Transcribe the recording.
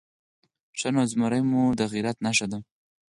_ښه نو، زمری مو د غيرت نښه ده؟